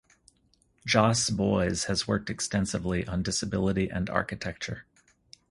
Jos Boys has worked extensively on disability and architecture.